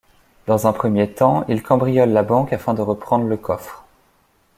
Dans un premier temps, ils cambriolent la banque afin de reprendre le coffre.